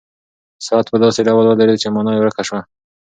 ساعت په داسې ډول ودرېد چې مانا یې ورکه شوه.